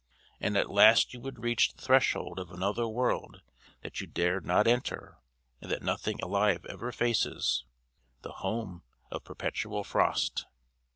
And at last you would reach the threshold of another world that you dared not enter and that nothing alive ever faces: the home of perpetual frost.